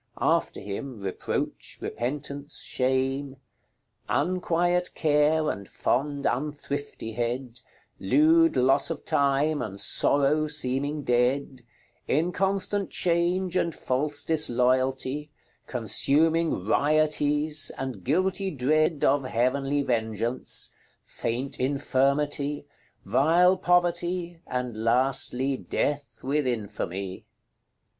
After him, Reproach, Repentance, Shame, "Unquiet Care, and fond Unthriftyhead, Lewd Losse of Time, and Sorrow seeming dead, Inconstant Chaunge, and false Disloyalty, Consuming Riotise, and guilty Dread Of heavenly vengeaunce; faint Infirmity, Vile Poverty, and lastly Death with infamy."